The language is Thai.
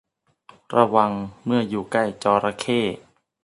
ระวังเมื่ออยู่ใกล้จระเข้